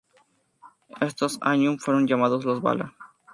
Estos Ainur fueron llamados los Valar.